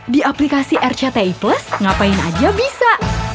di aplikasi rcti plus ngapain aja bisa